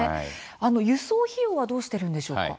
輸送費用はどうしてるんでしょうか？